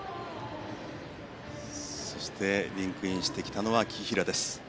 そして、リンクインしてきたのは紀平です。